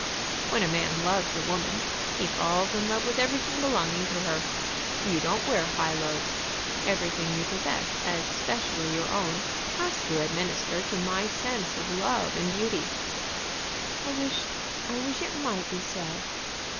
"When a man loves a woman he falls in love with everything belonging to her. You don't wear high lows. Everything you possess as specially your own has to administer to my sense of love and beauty." "I wish I wish it might be so."